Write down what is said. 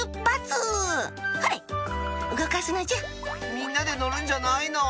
みんなでのるんじゃないの？